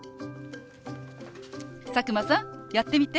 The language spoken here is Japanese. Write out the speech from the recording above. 佐久間さんやってみて。